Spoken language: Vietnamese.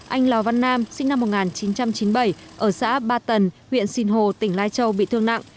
anh lò văn nam sinh năm một nghìn chín trăm chín mươi bảy ở xã ba tần huyện sìn hồ tỉnh lai châu bị thương nặng